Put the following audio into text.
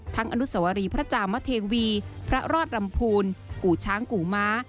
อนุสวรีพระจามเทวีพระรอดลำพูนกู่ช้างกู่ม้า